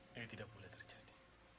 ini tidak boleh terjadi